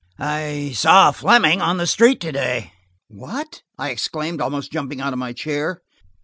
I saw Fleming on the street to day." "What!" I exclaimed, almost jumping out of my chair.